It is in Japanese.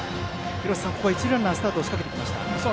廣瀬さん、ここは一塁ランナースタートを仕掛けていきました。